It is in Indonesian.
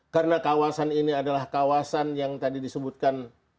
karena kawasan ini adalah kawasan yang tadi disebutkan